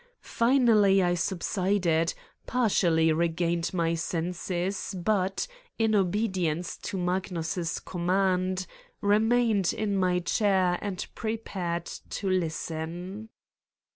Finally, I subsided, partially re gained my senses but, in obedience to Magnus' command, remained in my chair and prepared to listen.